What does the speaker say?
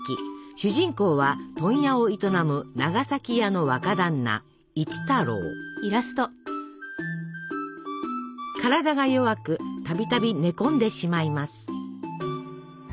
主人公は問屋を営む体が弱く度々寝込んでしまいます。